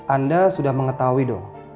anda sudah mengetahui dong